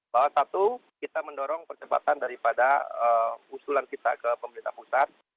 bahwa satu kita mendorong percepatan daripada usulan kita ke pemerintah pusat